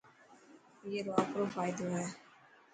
اي رو آپرو فائدو هي.